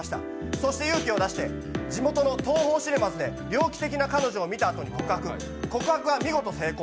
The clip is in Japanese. そして勇気を出して地元のＴＯＨＯシネマズで「猟奇的な彼女」を見たあとに告白告白は見事、成功。